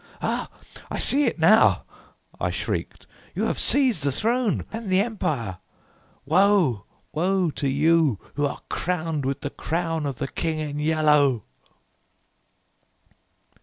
"Ah! I see it now!" I shrieked. "You have seized the throne and the empire. Woe! woe to you who are crowned with the crown of the King in Yellow!"